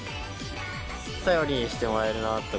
頼りにしてもらえるなとか。